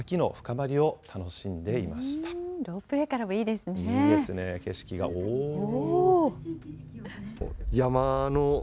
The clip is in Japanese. いいですね、景色が、おー。